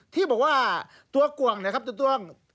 ที่บอกว่าตัวก่วงนะครับตัวต้วง